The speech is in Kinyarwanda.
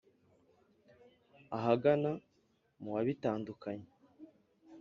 ahagana mu wa Bitandukanye